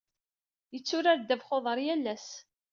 Yetturar ddabex-uḍar yal ass.